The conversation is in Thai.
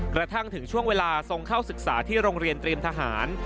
กระทั่งถึงช่วงเวลาทรงเข้าศึกษาที่โรงเรียนเตรียมทหาร